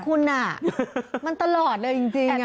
คุณน่ะมันตลอดเลยจริงอ่ะ